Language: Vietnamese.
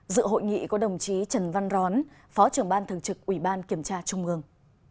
dự hội nghị có đồng chí trần văn rón phó trưởng ban thường trực ủy ban kiểm tra trung ương